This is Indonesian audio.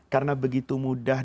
karena begitu mudah